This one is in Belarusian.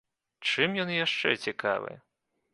Чым ён яшчэ цікавы?